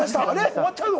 終わっちゃうの？